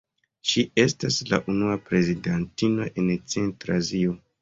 Ŝi estas la unua prezidentino en Centra Azio.